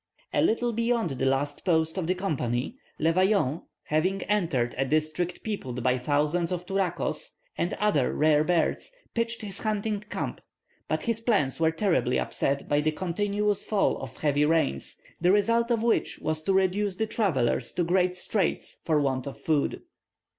A little beyond the last post of the company, Le Vaillant, having entered a district peopled by thousands of "turacos," and other rare birds, pitched his hunting camp; but his plans were terribly upset by the continuous fall of heavy rains, the result of which was to reduce the travellers to great straits for want of food.